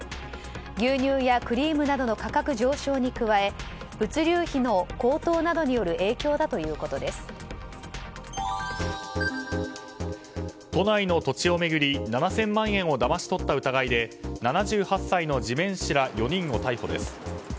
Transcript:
牛乳やクリームなどの価格上昇に加え物流費の高騰などによる都内の土地を巡り７０００万円をだまし取った疑いで７８歳の地面師ら４人を逮捕です。